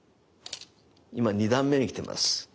今２段目に来てます。